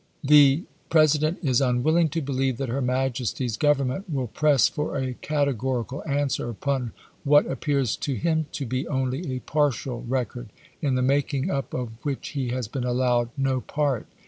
The President is unwilling to believe that her Majesty's Gov ernment will press for a categorical answer upon what appears to him to be only a partial record, in the making up of which he has been allowed no part.